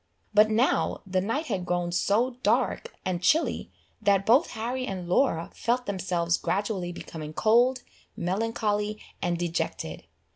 But now the night had grown so dark and chilly, that both Harry and Laura felt themselves gradually becoming cold, melancholy, and dejected.